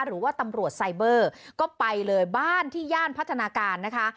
หรือว่าตำรวจไซเบอร์ก็ไปเลยบ้านที่ย่านพัฒนาการนะคะ